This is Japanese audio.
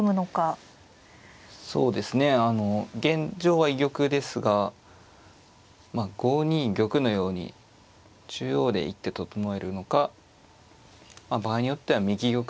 あの現状は居玉ですがまあ５二玉のように中央で一手整えるのか場合によっては右玉ですね